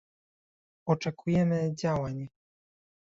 oczekujemy działań